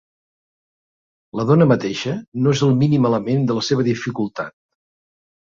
La dona mateixa no és el mínim element de la seva dificultat.